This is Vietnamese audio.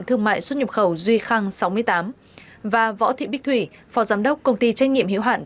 thương mại xuất nhập khẩu duy khang sáu mươi tám và võ thị bích thủy phó giám đốc công ty trách nhiệm hiệu hạn